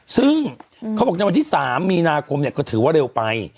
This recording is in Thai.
ซึ่งเขาบอกในวันที่๓มีนาคมเนี่ยก็ถือว่าเร็วไป